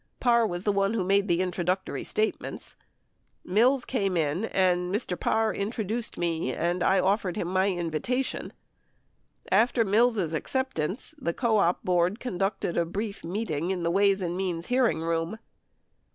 49 Parr was the one who made the intro ductory statements. Mills came in and "Mr. Parr introduced me and I offered him my invitation." 50 After Mills' acceptance, the co op board conducted a brief meeting in the Ways and Means hearing room.